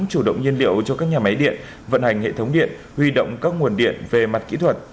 chủ động nhiên liệu cho các nhà máy điện vận hành hệ thống điện huy động các nguồn điện về mặt kỹ thuật